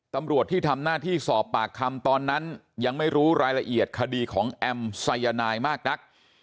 ตำรวจที่ทำหน้าที่สอบปากคำตอนนั้นยังไม่รู้รายละเอียดคดีของแอมสายนายมากนัก